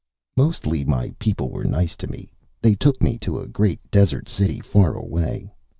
"Mostly my people were nice to me. They took me to a great desert city, far away.